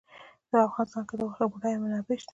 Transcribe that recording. په افغانستان کې د غوښې بډایه منابع شته.